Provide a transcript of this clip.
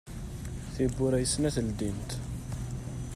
Tiwwura i snat ldint.